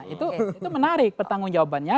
itu menarik pertanggung jawabannya